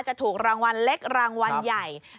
จะถูกรางวัลเล็กรางวัลใหญ่